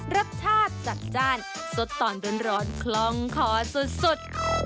รสชาติจัดจ้านสดตอนร้อนคล่องคอสุด